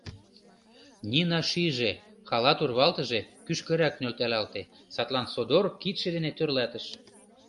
Нина шиже: халат урвалтыже кӱшкырак нӧлталалте, садлан содор кидше дене тӧрлатыш.